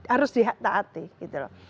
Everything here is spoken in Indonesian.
harus di taati gitu loh